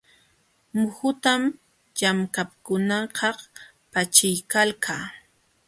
Muhutam llamkaqkunakaq paćhiykalka.